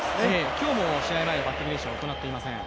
今日も試合前はバッティング練習は行っていません。